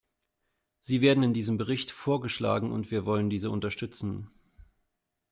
Sie werden in diesem Bericht vorgeschlagen, und wir wollen diese unterstützen.